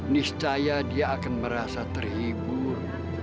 niscaya dia akan merasa terhibur